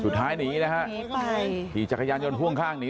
สุดท้ายหนีนะฮะหนีไปขี่จักรยานยนต์พ่วงข้างหนี